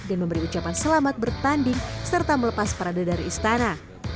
dan memberi ucapan selamat bertanding serta melepas parade dari istana